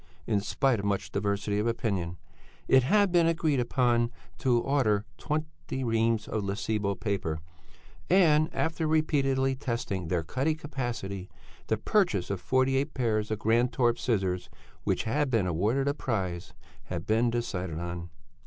In spite of much diversity of opinion, it had been agreed to order twenty reams of Lessebo paper, and after repeatedly testing their cutting capacity, the purchase of forty eight pairs of Grantorp scissors, which had been awarded a prize, had been decided on.